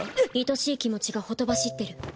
いとしい気持ちがほとばしってる。